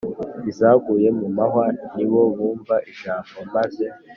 Izaguye mu mahwa ni bo bumva ijambo maze